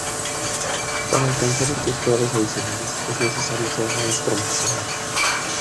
Para alcanzar estos grados adicionales, es necesario ser maestro masón.